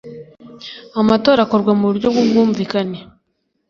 Amatora akorwa mu buryo bw ubwumvikane